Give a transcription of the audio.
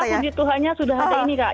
sekolah puji tuhan sudah ada ini kak